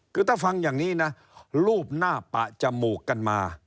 คือถ้าฟังอย่างนี้นะรูปหน้าปะจมูกกันมา